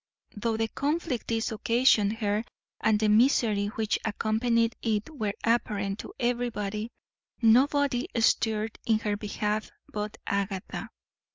Though the conflict this occasioned her and the misery which accompanied it were apparent to everybody, nobody stirred in her behalf but Agatha.